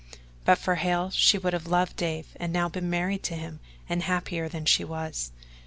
But for Hale, she would have loved Dave and now be married to him and happier than she was.